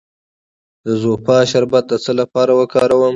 د زوفا شربت د څه لپاره وکاروم؟